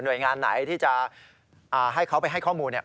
หน่วยงานไหนที่จะให้เขาไปให้ข้อมูล